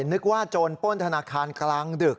นึกว่าโจรป้นธนาคารกลางดึก